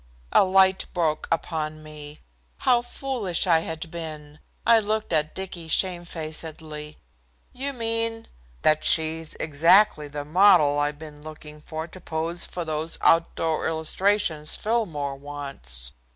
A light broke upon me. How foolish I had been. I looked at Dicky shamefacedly. "You mean " "That she's exactly the model I've been looking for to pose for those outdoor illustrations Fillmore wants.